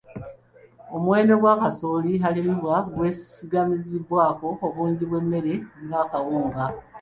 Omuwendo gwa kasooli alimibwa gwesigamizibwako obungi bw'emmere nga akawunga.